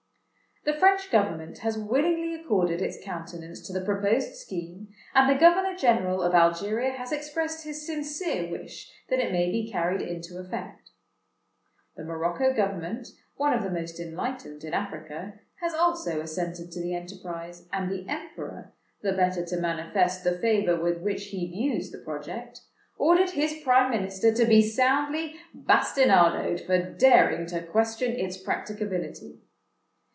"The French government has willingly accorded its countenance to the proposed scheme; and the Governor General of Algeria has expressed his sincere wish that it may be carried into effect. "The Morocco government (one of the most enlightened in Africa) has also assented to the enterprise; and the Emperor, the better to manifest the favour with which he views the project, ordered his Prime Minister to be soundly bastinadoed for daring to question its practicability.